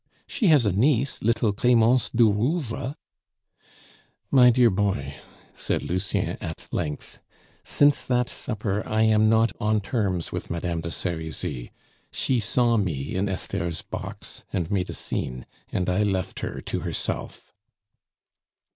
She has a niece, little Clemence du Rouvre " "My dear boy," said Lucien at length, "since that supper I am not on terms with Madame de Serizy she saw me in Esther's box and made a scene and I left her to herself."